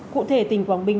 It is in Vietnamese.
cụ thể tỉnh quảng bình